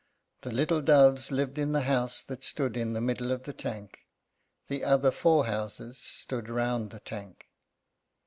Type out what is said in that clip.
The little doves lived in the house that stood in the middle of the tank. The other four houses stood round the tank.